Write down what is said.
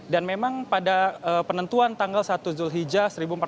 dan memang pada penentuan tanggal satu julhija seribu empat ratus empat puluh tujuh